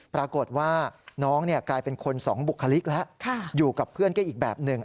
ปรากฏว่าน้องกลายเป็นคนสองบุคลิกแล้วอยู่กับเพื่อนก็อีกแบบหนึ่ง